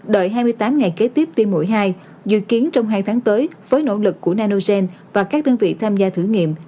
đợi hai mươi tám ngày kế tiếp tiêm mũi hai dự kiến trong hai tháng tới với nỗ lực của nanogen và các đơn vị tham gia thử nghiệm